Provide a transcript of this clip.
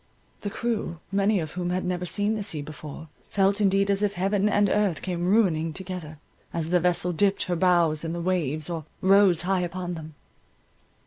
The crew, many of whom had never seen the sea before, felt indeed as if heaven and earth came ruining together, as the vessel dipped her bows in the waves, or rose high upon them.